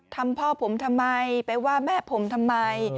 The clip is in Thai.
ทำพ่อผมทำไมไปว่าแม่ผมทำไม